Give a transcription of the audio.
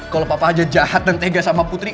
kalau papa aja jahat dan tega sama putri